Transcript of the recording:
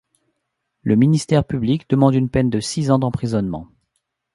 Le ministère public demande une peine de six ans d'emprisonnement.